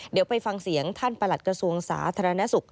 เดี๋ยวไปฟังเสียงท่านประหลัดกระทรวงสาธารณสุข